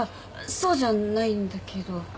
そうじゃないんだけど。